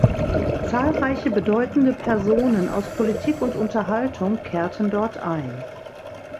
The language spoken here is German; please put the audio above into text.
Zahlreiche bedeutende Personen aus Politik und Unterhaltung kehrten dort ein.